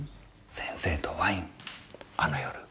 先生とワインあの夜。